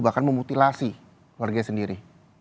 bahkan memutilasi warganya sendiri